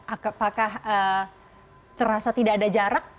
apakah terasa tidak ada jarak